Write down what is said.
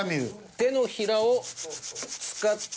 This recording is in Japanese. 手のひらを使って。